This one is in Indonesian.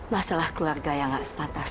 masalah keluarga yang gak sepantas